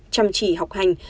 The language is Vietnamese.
chăm chỉ học hành